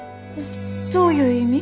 どういう意味？